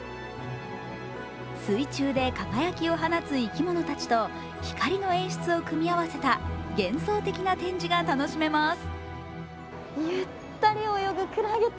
水中で輝きを放つ生き物たちと光の演出を組合わせた幻想的な展示が楽しめます。